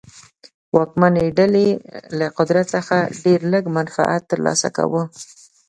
واکمنې ډلې له قدرت څخه ډېر لږ منفعت ترلاسه کاوه.